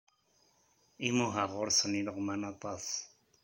Imuhaɣ ɣur-sen ileɣman aṭas.